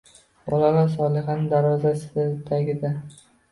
Bolalar Solixani darvozasi tagida.